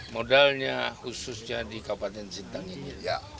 modalnya khususnya di kabupaten sintang ini